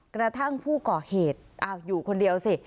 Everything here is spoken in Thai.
กระทั่งผู้ก่อเหตุอยู่คนเดียวสิ